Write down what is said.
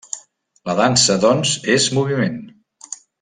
La dansa, doncs, és moviment.